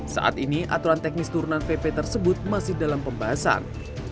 saat ini aturan teknis turunan pp tersebut masih dalam pembahasan